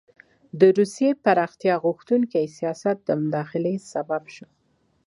د روسیې پراختیا غوښتونکي سیاست د مداخلې سبب شو.